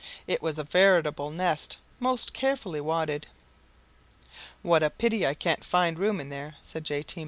It was a veritable nest most carefully wadded. "What a pity I can't find room in there," said J. T.